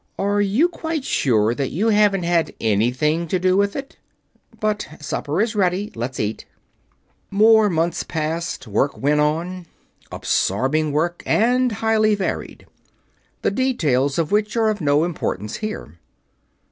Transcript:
"Are you quite sure that you haven't had anything to do with it? But supper is ready let's eat." More months passed. Work went on. Absorbing work, and highly varied; the details of which are of no importance here.